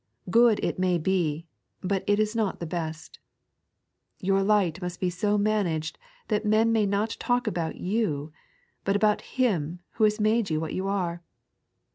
Good it may be, but it is not the best. Your light must be so managed that men may not talk about ^ou, but about Him who has made you what you are.